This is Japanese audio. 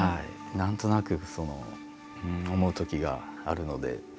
何となく思うときがあるので。